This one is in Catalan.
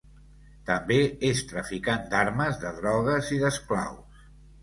També és traficant d'armes, de drogues i d'esclaus.